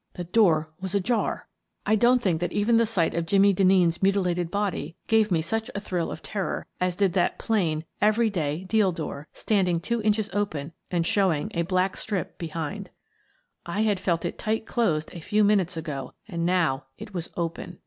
The door was ajar! I don't think that even the sight of Jimmie Den neen's mutilated body gave me such a thrill of ter ror as did that plain, every day deal door, standing two inches open and showing a black strip behind. I had felt it tight closed a few minutes ago and now it was open.